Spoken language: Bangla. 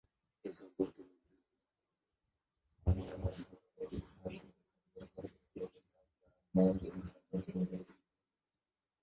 এ সম্পর্কে মিল্টন বলেন- "আমি আমার শরীরের সাথে সম্পর্ক ফিরে পেতে চাই যা আমার আঘাতের পূর্বে ছিল"।